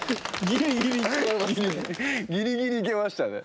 ギリギリいけましたね。